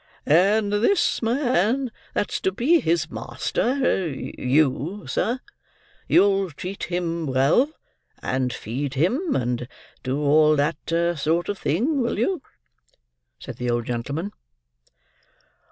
"And this man that's to be his master—you, sir—you'll treat him well, and feed him, and do all that sort of thing, will you?" said the old gentleman.